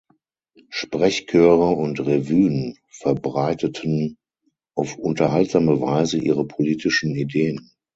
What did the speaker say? Sprechchöre und Revuen verbreiteten auf unterhaltsame Weise ihre politischen Ideen.